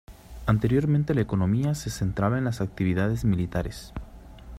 Anteriormente la economía se centraba en las actividades militares.